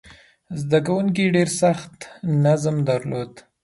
زده کوونکي ډېر سخت نظم درلود.